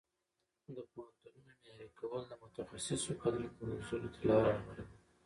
د پوهنتونونو معیاري کول د متخصصو کادرونو روزلو ته لاره هواروي.